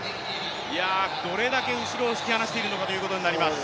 どれだけ後ろを引き離しているのかというところになります。